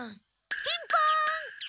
ピンポン！